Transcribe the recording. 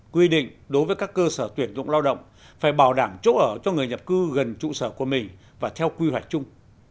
quy định đối với các cơ sở tuyển dụng lao động phải bảo đảm chỗ ở cho người nhập cư gần trụ sở của mình và theo quy hoạch chung